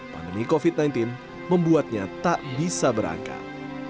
pandemi covid sembilan belas membuatnya tak bisa berangkat